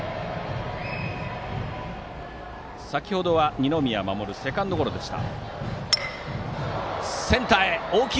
先程は二宮士セカンドゴロでした。